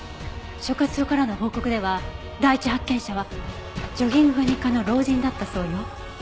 所轄署からの報告では第一発見者はジョギングが日課の老人だったそうよ。